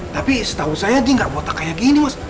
tapi setahu saya dia nggak botak kayak gini mas